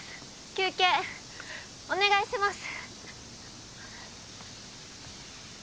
休憩お願いします。